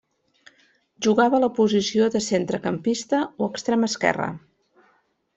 Jugava a la posició de centrecampista o extrem esquerre.